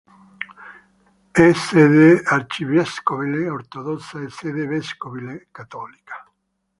È sede arcivescovile ortodossa e sede vescovile cattolica.